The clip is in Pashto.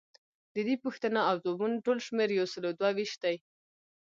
ددې پوښتنو او ځوابونو ټول شمیر یوسلو دوه ویشت دی.